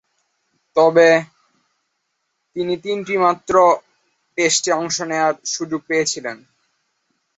তবে, তিনি তিনটিমাত্র টেস্টে অংশ নেয়ার সুযোগ পেয়েছিলেন।